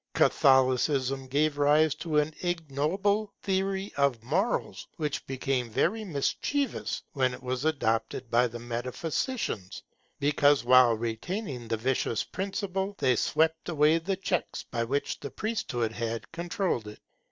Catholicism gave rise to an ignoble theory of morals which became very mischievous when it was adopted by the metaphysicians; because, while retaining the vicious principle, they swept away the checks by which the priesthood had controlled it.